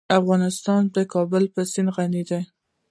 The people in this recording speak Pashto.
افغانستان په د کابل سیند غني دی.